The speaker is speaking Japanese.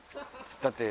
だって。